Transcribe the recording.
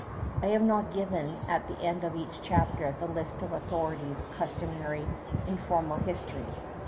I have not given at the end of each chapter the list of authorities customary in formal history.